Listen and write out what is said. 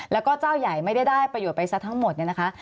แล้วก็เจ้าใหญ่ไม่ได้ได้ประโยชน์ไปซะทั้งหมดเนี่ยนะคะ